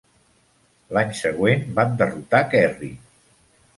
L'any següent van derrotar Kerry.